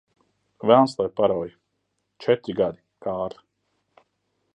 Velns lai parauj! Četri gadi, Kārli.